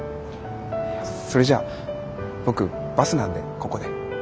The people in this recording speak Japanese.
それじゃあ僕バスなんでここで。